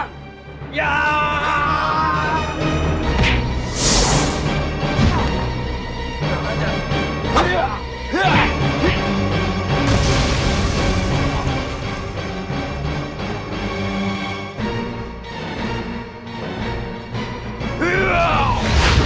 saya akan menangkapmu